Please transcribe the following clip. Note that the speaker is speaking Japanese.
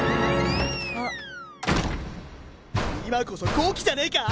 今こそ好機じゃねえか！